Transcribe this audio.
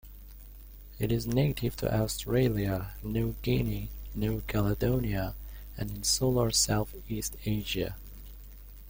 It is native to Australia, New Guinea, New Caledonia, and insular Southeast Asia.